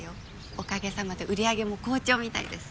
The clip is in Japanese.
おかげさまで売上も好調みたいです。